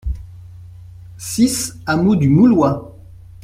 six hameau du Moulois